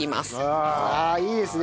ああいいですね。